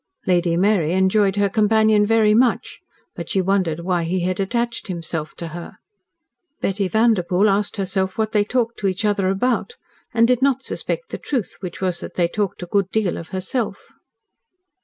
Lady Mary enjoyed her companion very much, but she wondered why he had attached himself to her. Betty Vanderpoel asked herself what they talked to each other about, and did not suspect the truth, which was that they talked a good deal of herself.